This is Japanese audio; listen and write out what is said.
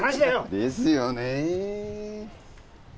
ですよね